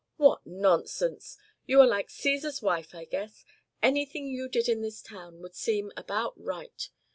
"What nonsense! You are like Cæsar's wife, I guess. Anything you did in this town would seem about right.